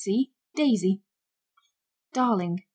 See Daisy. DARLING.